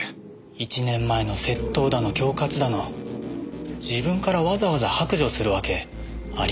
１年前の窃盗だの恐喝だの自分からわざわざ白状するわけありませんものね。